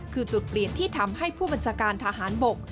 คือจุดเปลี่ยนที่ทำให้ผู้บัญชาการทหารบก